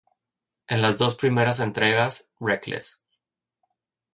En las dos primeras entregas: Reckless.